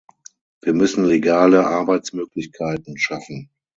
Wir müssen legale Arbeitsmöglichkeiten schaffen.